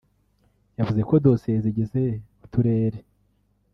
yavuze ko dosiye zigeze ku turere